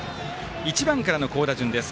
１番からの好打順です。